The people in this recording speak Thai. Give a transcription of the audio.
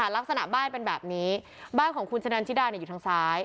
ลักษณะบ้านเป็นแบบนี้บ้านของคุณชะนันชิดาอยู่ทางซ้าย